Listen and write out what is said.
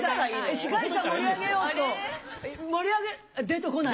司会者を盛り上げようと盛り上げ出て来ない。